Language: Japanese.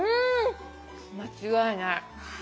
間違いない。